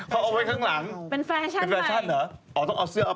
เขาเอาไว้ข้างหลังเป็นแฟรชันเหรออ๋อต้องเอาเสื้ออัปไต้มาข้างหน้าอย่างงี้ใช่มั้ย